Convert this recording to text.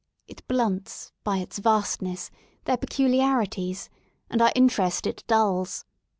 It blunts, by its vastness, their pecuHanties, and our interest it dulls.